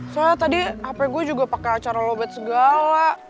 soalnya tadi hp gue juga pake acara lobet segala